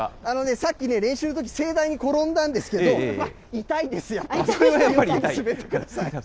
さっきね、練習のとき盛大に転んだんですけれども、痛いです、それはやっぱり痛い？